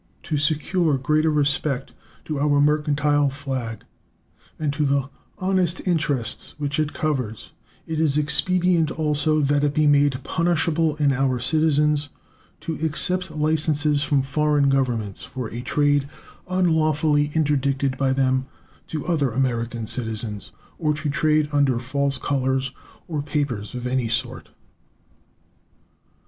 To secure greater respect to our mercantile flag, and to the honest interests which it covers, it is expedient also that it be made punishable in our citizens to accept licenses from foreign governments for a trade unlawfully interdicted by them to other American citizens, or to trade under false colors or papers of any sort.